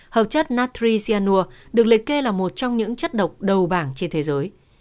hợp chất natri sianua được lệ kê là một trong những chất độc đầu bảng trên thế giới